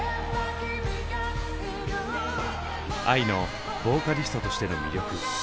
ＡＩのボーカリストとしての魅力。